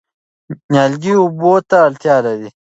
نیالګي اوبو ته اړتیا لري.